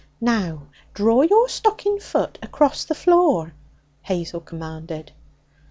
'Now draw your stockinged foot along the floor!' Hazel commanded.